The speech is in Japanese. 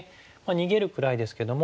逃げるくらいですけども。